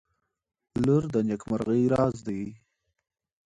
• لور د نیکمرغۍ راز دی.